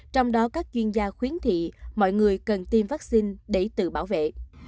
trong đó các chuyên gia khuyến nghị mọi người cần tiêm vaccine để tự bảo vệ